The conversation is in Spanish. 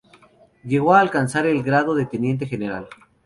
Llegó a alcanzar el grado de teniente general.